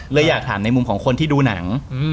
อยากถามในมุมของคนที่ดูหนัง